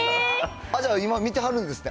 ああ、じゃあ、今見てはるんですって。